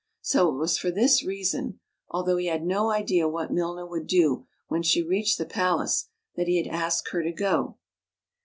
So it was for this reason, although he had no idea what Milna would do when she reached the place, that he had asked her to go.